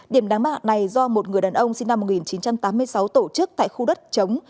điểm đáng mạng này do một người đàn ông sinh năm một nghìn chín trăm tám mươi sáu tổ chức tại khu đất chống